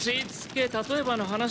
例えばの話だ。